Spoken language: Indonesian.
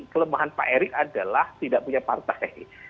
kelemahan pak erik adalah tidak punya partai